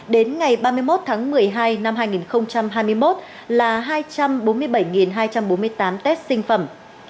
đến ngày ba mươi một tháng một mươi hai năm hai nghìn hai mươi một là hai trăm bốn mươi bảy hai trăm bốn mươi tám test sinh phẩm